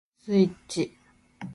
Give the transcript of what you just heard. エッチ